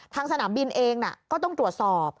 สนามบินเองก็ต้องตรวจสอบ